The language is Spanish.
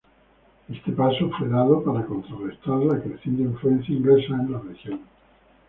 Este paso fue dado para contrarrestar la creciente influencia inglesa en la región.